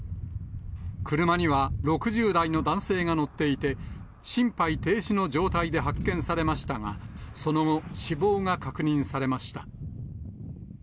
車には６０代の男性が乗っていて、心肺停止の状態で発見されましたが、その後、死亡が確認されました。